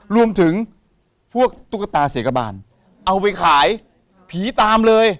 รวมถึงพวกตุ๊กตาเสกบานเอาไปขายผีตามเลย